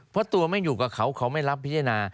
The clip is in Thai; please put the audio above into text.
เพราะตัวไม่อยู่กับเขาเขาไม่รับพิจารณา